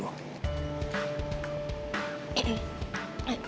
yaudah deh kalo gitu